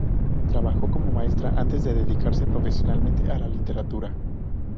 Trabajó como maestra, antes de dedicarse profesionalmente a la literatura.